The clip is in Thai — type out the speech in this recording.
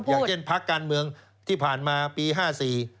อย่างเช่นพักการเมืองที่ผ่านมาปีห้าสี่